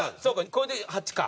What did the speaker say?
これで８か。